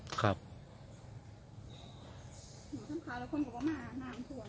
สวัสดีครับสวัสดีครับ